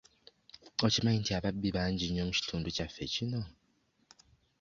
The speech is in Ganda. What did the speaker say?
Okimanyi nti ababbi bangi nnyo mu kitundu kyaffe kino?